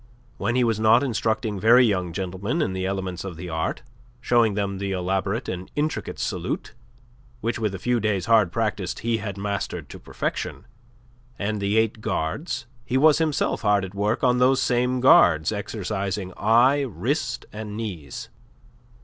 When he was not instructing very young gentlemen in the elements of the art, showing them the elaborate and intricate salute which with a few days' hard practice he had mastered to perfection and the eight guards, he was himself hard at work on those same guards, exercising eye, wrist, and knees.